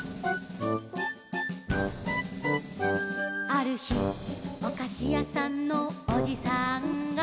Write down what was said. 「あるひおかしやさんのおじさんが」